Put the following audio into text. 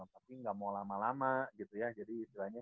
tapi nggak mau lama lama gitu ya jadi istilahnya